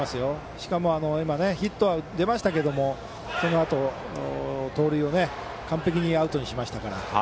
しかもヒットは出ましたけどそのあと盗塁を完璧にアウトにしましたから。